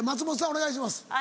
お願いします。